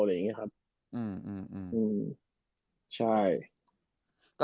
อะไรแบบนี้ครับ